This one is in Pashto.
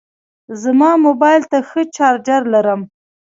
زما موبایل ته ښه چارجر لرم.